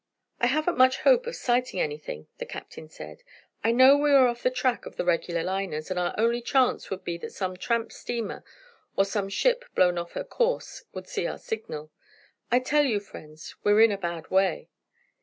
"I haven't much hope of sighting anything," the captain said. "I know we are off the track of the regular liners, and our only chance would be that some tramp steamer, or some ship blown off her course, would see our signal. I tell you, friends, we're in a bad way."